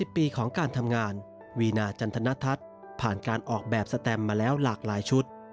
ตลอด๓๐ปีของการทำงานวีนาธันทรัฐผ่านการออกแบบสแตมมาแล้วหลากลายชุด